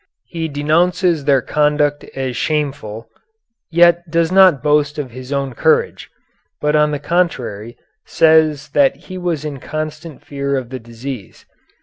He denounces their conduct as shameful, yet does not boast of his own courage, but on the contrary says that he was in constant fear of the disease.